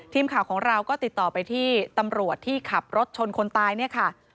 ทีมข่าวของเราก็ติดต่อไปที่ตำรวจที่ขับรถชนคนตายเนี่ยค่ะ